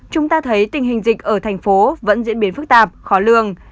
chúng ta thấy tình hình dịch ở tp hcm vẫn diễn biến phức tạp khó lương